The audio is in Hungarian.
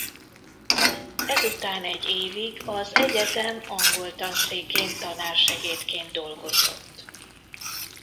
Ezután egy évig az egyetem angol tanszékén tanársegédként dolgozott.